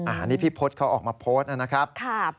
อันนี้พี่พศเขาออกมาโพสต์นะครับ